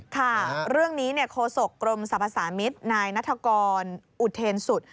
ค่ะเรื่องนี้โคศกกรมสรรพสามิตรนายนัฐกรอุเทนสุด